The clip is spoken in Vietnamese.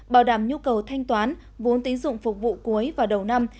bảo đảm nhu cầu thanh toán vốn tín dụng phục vụ cuối và đầu năm